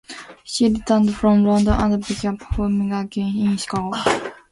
She returned from London and began performing again in Chicago.